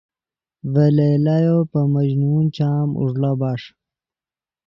ڤے لیلیو پے مجنون چام اوݱڑا بݰ